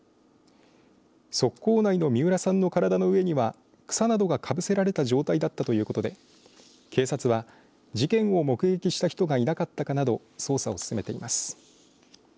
側溝内の三浦さんの体の上には草などが、かぶせられた状態だったということで警察は事件を目撃した人がいなかったかなど捜査を進めています。